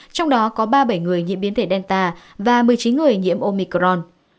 trong đó có ba mươi bảy người nhiễm biến thể delta và một mươi chín người nhiễm omicron